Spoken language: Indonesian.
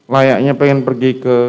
layaknya pengen pergi ke